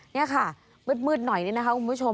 นี่ค่ะมืดหน่อยนี่นะคะคุณผู้ชม